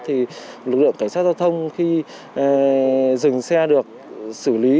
thì lực lượng cảnh sát giao thông khi dừng xe được xử lý